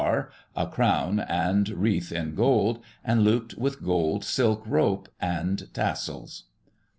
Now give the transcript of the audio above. R., a crown and wreath in gold, and looped with gold silk rope and tassels.